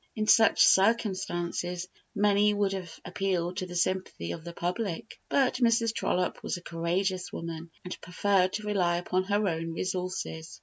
In such circumstances many would have appealed to the sympathy of the public, but Mrs. Trollope was a courageous woman, and preferred to rely upon her own resources.